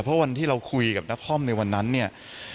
เพราะวันที่เราคุยกับนักคอมในวันนั้นเนี่ย